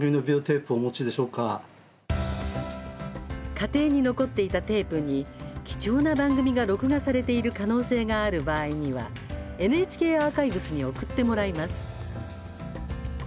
家庭に残っていたテープに貴重な番組が録画されている可能性がある場合にはＮＨＫアーカイブスに送ってもらいます。